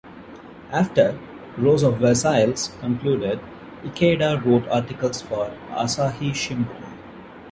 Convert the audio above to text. After "Rose of Versailles" concluded, Ikeda wrote articles for Asahi Shimbun.